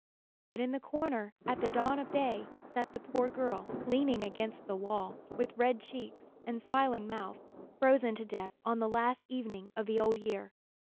But in the corner, at the dawn of day, sat the poor girl, leaning against the wall, with red cheeks and smiling mouth, frozen to death on the last evening of the old year.